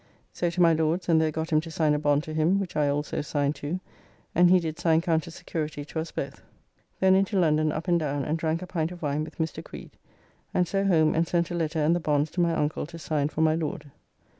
So to my Lord's, and there got him to sign a bond to him, which I also signed too, and he did sign counter security to us both. Then into London up and down and drank a pint of wine with Mr. Creed, and so home and sent a letter and the bonds to my uncle to sign for my Lord.